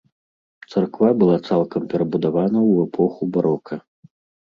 Царква была цалкам перабудавана ў эпоху барока.